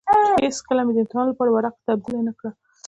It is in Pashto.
هېڅکله مې يې د امتحان لپاره ورقه تبديله نه کړه.